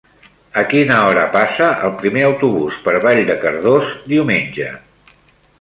A quina hora passa el primer autobús per Vall de Cardós diumenge?